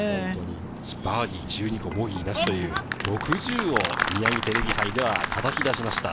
バーディー１２個、ボギーなしという、６０というミヤギテレビ杯でたたき出しました。